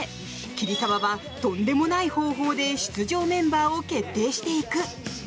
桐沢はとんでもない方法で出場メンバーを決定していく。